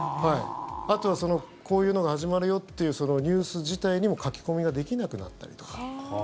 あとは、こういうのが始まるよっていうニュース自体にも書き込みができなくなったりとか。